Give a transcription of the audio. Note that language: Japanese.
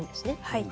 はい。